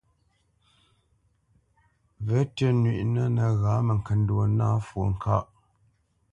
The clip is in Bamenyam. Və̌tʉ́ nywíʼnə nəghǎ məŋkəndwo nâ fwo ŋkâʼ.